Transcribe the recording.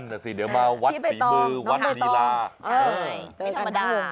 นั่นแหละสิเดี๋ยวมาวัดศีรีมือวัดธีราใช่ไม่ธรรมดา